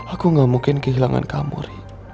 aku gak mungkin kehilangan kamu ri